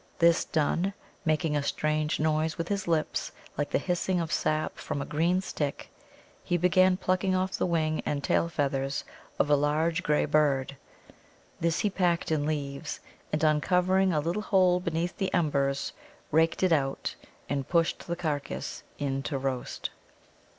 This done, making a strange noise with his lips like the hissing of sap from a green stick, he began plucking off the wing and tail feathers of a large grey bird. This he packed in leaves, and uncovering a little hole beneath the embers, raked it out, and pushed the carcass in to roast.